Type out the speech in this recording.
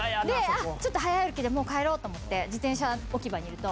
ちょっと早歩きで、もう帰ろうと思って、自転車置き場にいると。